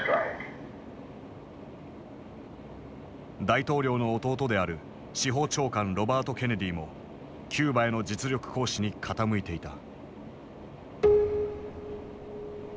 大統領の弟である司法長官ロバート・ケネディもキューバへの実力行使に傾いていた。